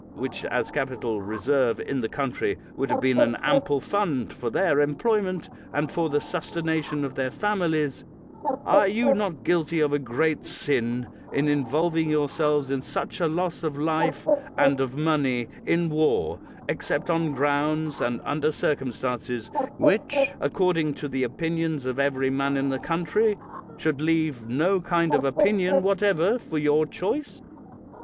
which as capital reserved in the coun try would have been an ample fund for their employment and for the sustentation of their families, are you not guilty of a great sin in involving yourselves in such a loss of life and of money in war, except on grounds and under circumstances which, according to the opinions of every man in the country, should leave no kind of option whatever for your choice?